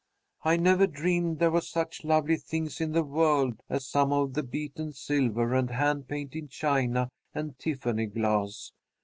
I never dreamed there were such lovely things in the world as some of the beaten silver and hand painted china and Tiffany glass.